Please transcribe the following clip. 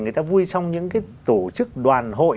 người ta vui trong những cái tổ chức đoàn hội